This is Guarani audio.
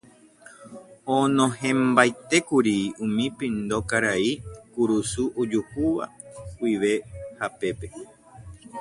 Onohẽmbaitékuri umi pindo karai kurusu ojuhúva guive hapépe.